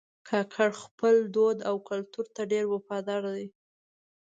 کاکړي خپل دود او کلتور ته ډېر وفادار دي.